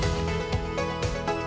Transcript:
ya kembali terima kasih